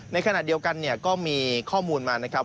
ในขณะเดียวกันเนี่ยก็มีข้อมูลมานะครับ